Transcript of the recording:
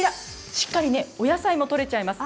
しっかりねお野菜もとれちゃいます